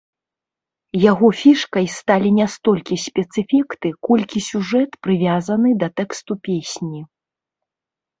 Яго фішкай сталі не столькі спецэфекты, колькі сюжэт, прывязаны да тэксту песні.